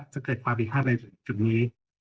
จะเกิดความผิดพลาดในจุดนี้